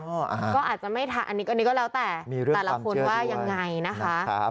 ก็อาจจะไม่ทันอันนี้ก็แล้วแต่แต่ละคนว่ายังไงนะคะ